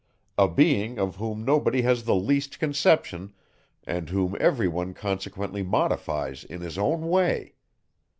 A being, of whom nobody has the least conception, and whom every one consequently modifies in his own way.